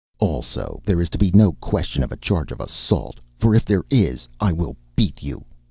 "Also, there is to be no question of a charge of assault, for, if there is I will beat you.